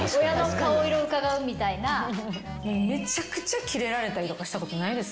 めちゃくちゃキレられたりしたことないですか？